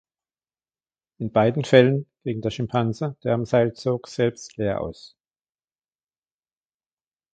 In beiden Fällen ging der Schimpanse, der am Seil zog, selbst leer aus.